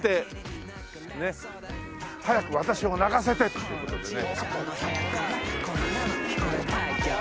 「早く私を泣かせて！」っていう事でね。